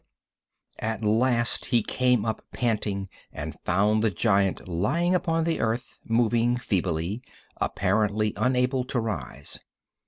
At last he came up panting, and found the giant lying upon the earth, moving feebly, apparently unable to rise.